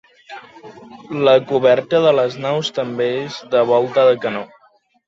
La coberta de les naus és també de volta de canó.